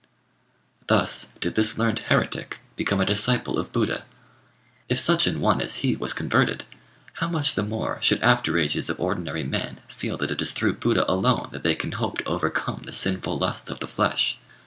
"Thus did this learned heretic become a disciple of Buddha. If such an one as he was converted, how much the more should after ages of ordinary men feel that it is through. Buddha alone that they can hope to overcome the sinful lusts of the flesh!